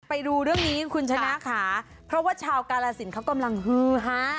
ไปดูเรื่องนี้คุณชนะค่ะเพราะว่าชาวกาลสินเขากำลังฮือฮา